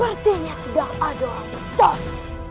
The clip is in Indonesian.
akhirnya sudah ada toh